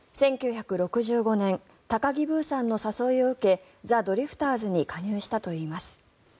１９６５年高木ブーさんの誘いを受けザ・ドリフターズに加入したといいます。